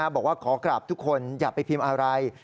บอกว่าขอกราบทุกคนอย่าไปพิมพ์อะไร